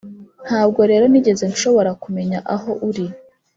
ntabwo rero nigeze nshobora kumenya aho uri